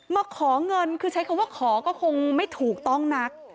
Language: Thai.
มาขอเงินคือใช้คำว่าขอก็คงไม่ถูกต้องนัก